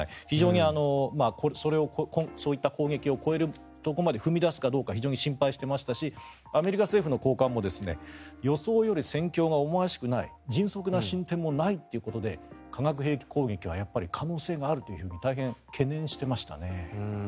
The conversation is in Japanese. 非常にそういった攻撃を超えるところまで踏み出すかどうか非常に心配していましたしアメリカ政府の高官も予想より戦況が思わしくない迅速な進展もないということで化学兵器攻撃はやっぱり可能性があると懸念していましたね。